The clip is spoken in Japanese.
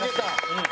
うん。